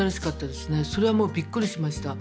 それはもうびっくりしました。